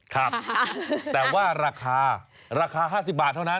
ครับแต่ว่าราคาราคา๕๐บาทเท่านั้น